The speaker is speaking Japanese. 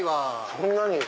そんなに。